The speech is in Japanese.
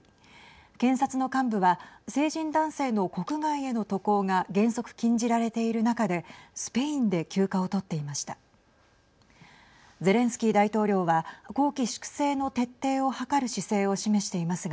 検察の幹部は成人男性の国外への渡航が原則禁じられている中でスペインで休暇を取っていました。